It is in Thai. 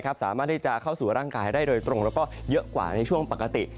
สามารถที่จะเข้าสู่ร่างกายได้โดยตรงแล้วก็เยอะกว่าในช่วงปกติ